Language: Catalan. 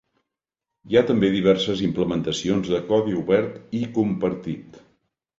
Hi ha també diverses implementacions de codi obert i compartit.